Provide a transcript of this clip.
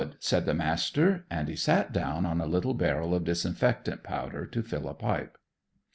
said the Master, and he sat down on a little barrel of disinfectant powder to fill a pipe.